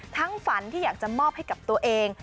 ฝันที่อยากจะมอบให้กับตัวเอง